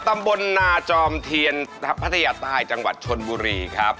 ตำบลนาจอมเทียนพัทยาใต้จังหวัดชนบุรีครับ